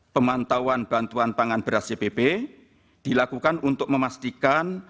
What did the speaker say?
pemantauan bantuan pangan beras cpp dilakukan untuk memastikan